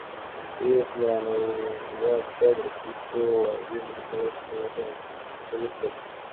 Ella es "la novata" del equipo, habiendo empezado su trabajo en el episodio piloto.